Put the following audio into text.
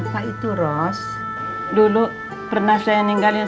pak pak cilak